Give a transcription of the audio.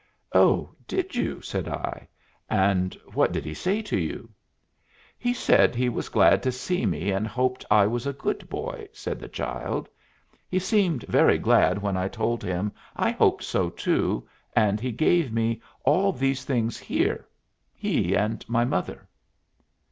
"Oh, did you?" said I. "And what did he say to you?" "He said he was glad to see me and hoped I was a good boy," said the child. "He seemed very glad when I told him I hoped so, too, and he gave me all these things here he and my mother."